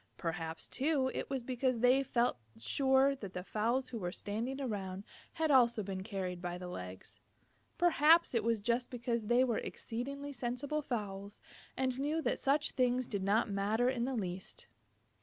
Perhaps, too, it was because they felt sure that the fowls who were standing around had also been carried by the legs. Perhaps it was just because they were exceedingly sensible fowls and knew that such things did not matter in the least.